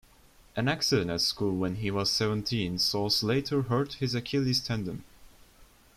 An accident at school when he was seventeen saw Slater hurt his Achilles tendon.